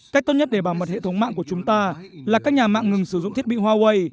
cách tốt nhất để bảo mật hệ thống mạng của chúng ta là các nhà mạng ngừng sử dụng thiết bị huawei